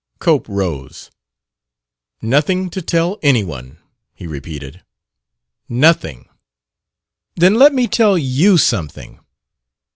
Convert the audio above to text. Cope rose. "Nothing to tell anyone," he repeated. "Noth ing." "Then let me tell you something."